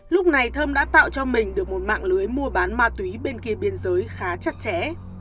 lúc này thơm đã tạo cho mình được một mạng lưới mua bán ma túy bên kia biên giới khá chặt chẽ